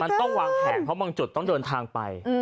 มันต้องวางแผนเพราะบางจุดต้องเดินทางไป